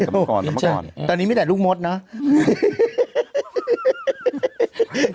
ดังพันกรตอนนี้ไม่ได้ลูกมดเนาะ